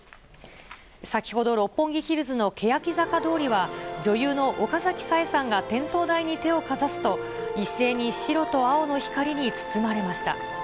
先ほど、六本木ヒルズのけやき坂通りは、女優の岡崎紗絵さんが点灯台に手をかざすと、一斉に白と青の光に包まれました。